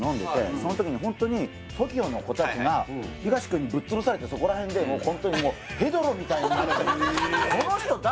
その時にホントにＴＯＫＩＯの子たちが東くんにぶっ潰されてそこら辺でホントにもうヘドロみたいになってこの人誰？